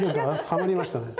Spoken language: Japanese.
はまりましたね。